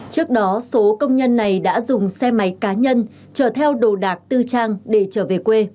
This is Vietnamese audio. trước đó số công nhân này đã dùng xe máy cá nhân chở theo đồ đạc tư trang để trở về quê